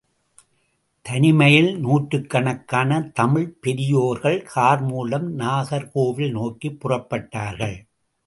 தலைமையில் நூற்றுக்கணக்கான தமிழ்ப் பெரியோர்கள் கார்மூலம் நாகர்கோவில் நோக்கிப் புறப்பட்டார்கள்.